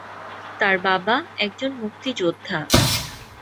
তার বাবা একজন মুক্তিযোদ্ধা।